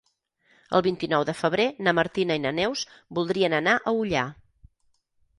El vint-i-nou de febrer na Martina i na Neus voldrien anar a Ullà.